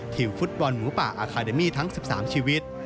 ทีมฟุตบอลหมูป่าอาคาเดมี่ทั้ง๑๓ชีวิต